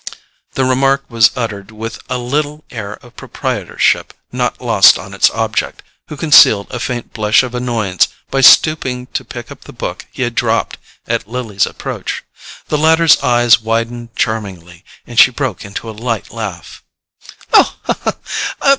The remark was uttered with a little air of proprietorship not lost on its object, who concealed a faint blush of annoyance by stooping to pick up the book he had dropped at Lily's approach. The latter's eyes widened charmingly and she broke into a light laugh.